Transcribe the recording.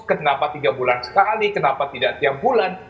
kenapa tiga bulan sekali kenapa tidak tiap bulan